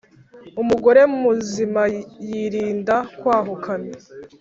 Umugore muzima yirinda kwahukana.